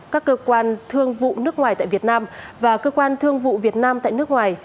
các cơ quan thương vụ nước ngoài tại việt nam và cơ quan thương vụ việt nam tại nước ngoài